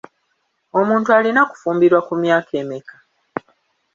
Omuntu alina kufumbirwa ku myaka emeka?